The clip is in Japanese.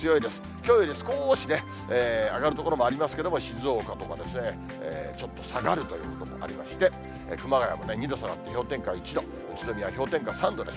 きょうより少しね、上がる所もありますけれども、静岡とかですね、ちょっと下がるということもありまして、熊谷もね、２度下がって氷点下１度、宇都宮氷点下３度です。